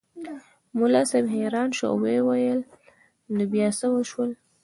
ملا صاحب حیران شو او ویې ویل نو بیا څه وشول.